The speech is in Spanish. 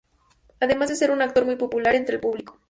Además de ser un actor muy popular entre el público.